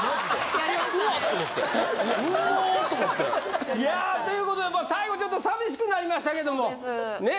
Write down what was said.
やりましたねうまっ！と思っていやーということで最後ちょっと寂しくなりましたけどもねえ